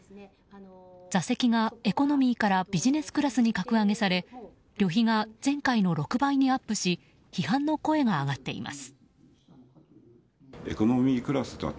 座席がエコノミーからビジネスクラスに格上げされ旅費が前回の６倍にアップし批判の声が上がっています。